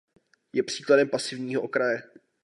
Je příkladem pasivního okraje.